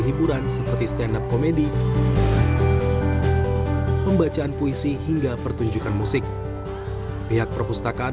hiburan seperti stand up komedi pembacaan puisi hingga pertunjukan musik pihak perpustakaan